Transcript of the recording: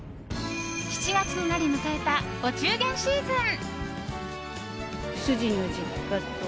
７月になり迎えたお中元シーズン。